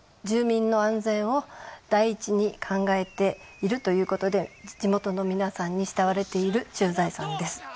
住民の安全を第一に考えているということで地元の皆さんに慕われている駐在さんです。